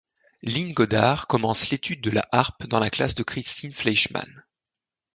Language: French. Line Gaudard commence l'étude de la harpe dans la classe de Christine Fleischmann.